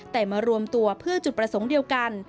แต่มารวมตัวเพื่อจุดประสงค์เดียวกัน